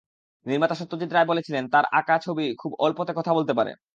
নির্মাতা সত্যজিৎ রায় বলেছিলেন, তাঁর আঁকা ছবি খুব অল্পতে কথা বলতে পারে।